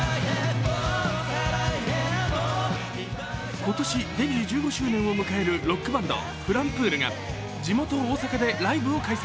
今年デビュー１５周年を迎えるロックバンドｆｌｕｍｐｏｏｌが地元・大阪でライブを開催。